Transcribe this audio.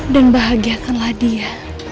dan bahagiakanlah dia